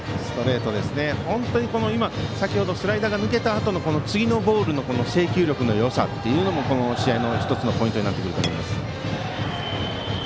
本当に先ほどのようなスライダーが抜けたあとの次のボールの制球力のよさもこの試合の１つのポイントになってくると思います。